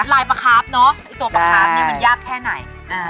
ลายปลาคาร์ฟเนอะไอ้ตัวปลาคาร์ฟเนี่ยมันยากแค่ไหน